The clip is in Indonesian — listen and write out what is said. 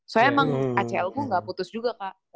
soalnya emang acl ku nggak putus juga kak